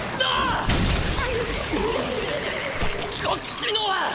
こっちのは。